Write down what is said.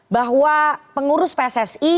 bahwa pengurus pssi